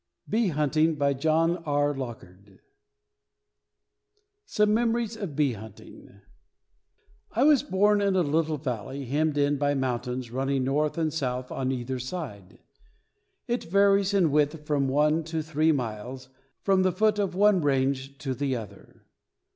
Bee Keeping for Profit SOME MEMORIES OF BEE HUNTING I was born in a little valley, hemmed in by mountains running north and south on either side. It varies in width from one to three miles from the foot of one range to the other.